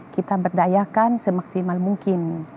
kita berdayakan semaksimal mungkin